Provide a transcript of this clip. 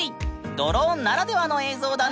ドローンならではの映像だね！